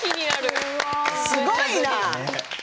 すごいな。